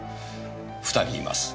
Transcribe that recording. ２人います。